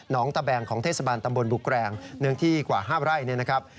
ตะแบงของเทศบาลตำบลบุแกรงเนื้อที่กว่า๕ไร่เนี่ยนะครับ